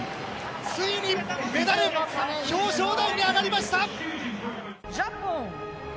ついにメダル表彰台に上がりました！